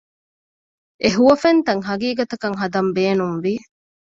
އެ ހުވަފެންތައް ހަގީގަތަކަށް ހަދަން ބޭނުންވި